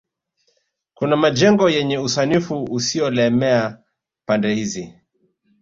Kuna majengo yenye usanifu usioelemea pande hizi